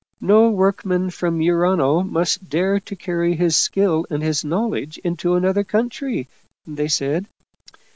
No workman from Mu rano must dare to carry his skill and his knowledge into another country, they said.